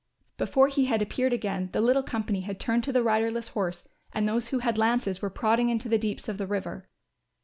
Before he had appeared again the little company had turned to the riderless horse and those who had lances were prodding into the deeps of the river.